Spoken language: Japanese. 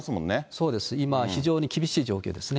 そうです、今、非常に厳しい状況ですね。